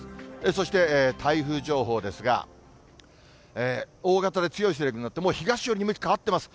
そして台風情報ですが、大型で強い勢力になって、東寄りに向き変ってます。